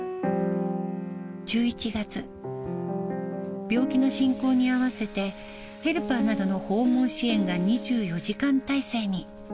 １１月、病気の進行に合わせて、ヘルパーなどの訪問支援が２４時間態勢に。